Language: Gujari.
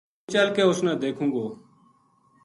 ہوں چل کے اُس نا دیکھوں گو ‘‘